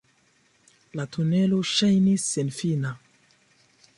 La tunelo ŝajnis senfina.